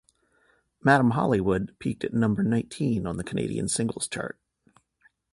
"Madame Hollywood" peaked at number nineteen on the Canadian Singles Chart.